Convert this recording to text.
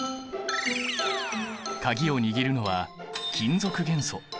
鍵を握るのは金属元素。